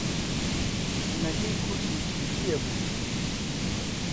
ژنەکەی کوردی تورکیە بوو